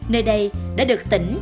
nơi đây đã được tỉnh